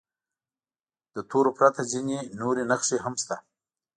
له تورو پرته ځینې نورې نښې هم شته.